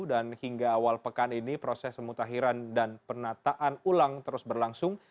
dan hingga awal pekan ini proses pemutahiran dan penataan ulang terus berlangsung